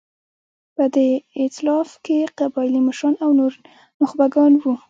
په دې اېتلاف کې قبایلي مشران او نور نخبګان وو.